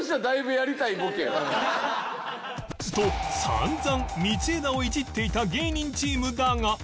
散々道枝をいじっていた芸人チームだが